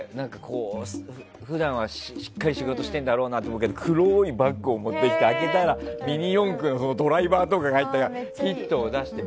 普段はしっかり仕事してるんだろうなって思うけど黒いバッグを持ってきて開けたらミニ四駆のドライバーとかを出して。